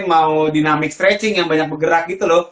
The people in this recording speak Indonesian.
mau dinamic stretching yang banyak bergerak gitu loh